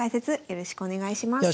よろしくお願いします。